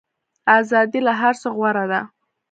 ازادي له هر څه غوره ده.